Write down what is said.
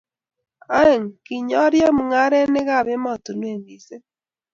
oeng', kinyario mung'arenikab emotinwek mising